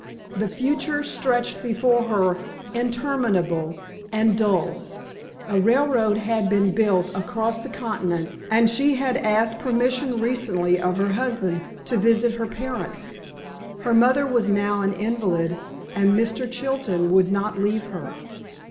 The future stretched before her interminable and dull. A railroad had been built across the continent and she had asked permission recently of her husband to visit her parents: her mother was now an invalid and Mr. Chilton would not leave her.